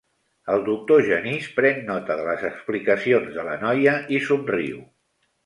El doctor Genís pren nota de les explicacions de la noia i somriu.